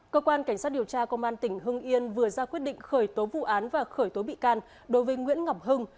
cơ quan cảnh sát điều tra công an tỉnh hưng yên vừa ra quyết định khởi tố vụ án và khởi tố bị can đối với nguyễn ngọc hưng